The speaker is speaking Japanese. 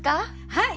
はい！